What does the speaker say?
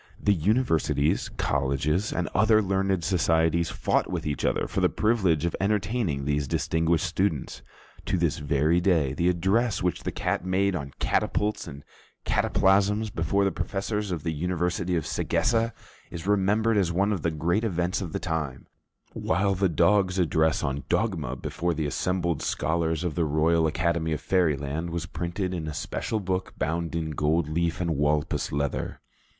The universities, colleges, and other learned societies fought with each other for the privilege of entertaining these distinguished students. To this very day, the address which the cat made on catapults and cataplasms, before the professors of the University of Sagessa, is remembered as one of the great events of the time; while the dog's address on dogma before the assembled scholars of the Royal Academy of Fairyland was printed in a special book bound in gold leaf and walpus leather.